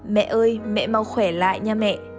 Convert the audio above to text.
mẹ ơi mẹ mau khỏe lại nha mẹ